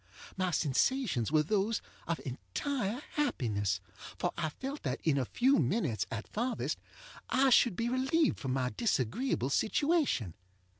My sensations were those of entire happiness, for I felt that in a few minutes, at farthest, I should be relieved from my disagreeable situation.